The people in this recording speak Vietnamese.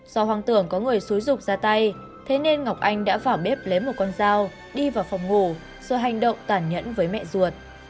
do hoàng tưởng có người xúi rục ra tay thế nên ngọc anh đã vào bếp lấy một con dao đi vào phòng ngủ rồi hành động tản nhẫn với mẹ ruột